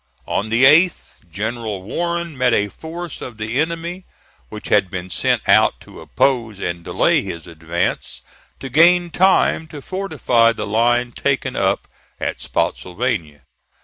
On the 8th, General Warren met a force of the enemy, which had been sent out to oppose and delay his advance, to gain time to fortify the line taken up at Spottsylvania.